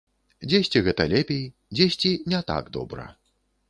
Дзесьці гэта лепей, дзесьці не так добра.